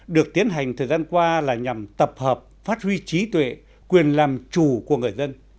được tiến hành thời gian qua là nhằm tập hợp phát huy trí tuệ quyền làm chủ của người dân